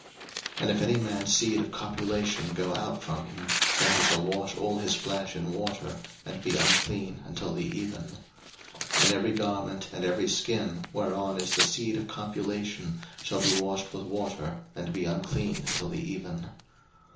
03:015:016 And if any man's seed of copulation go out from him, then he shall wash all his flesh in water, and be unclean until the even. 03:015:017 And every garment, and every skin, whereon is the seed of copulation, shall be washed with water, and be unclean until the even.